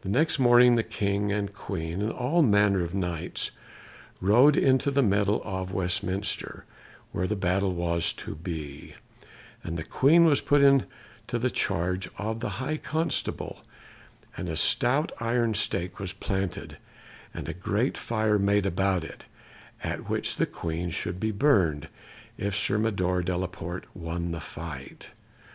The next morning the King and Queen, and all manner of Knights, rode into the meadow of Westminster, where the battle was to be; and the Queen was put into the charge of the High Constable, and a stout iron stake was planted, and a great fire made about it, at which the Queen should be burned if Sir Mador de la Porte won the fight.